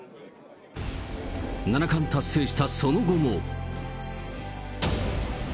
七冠達成したその後も。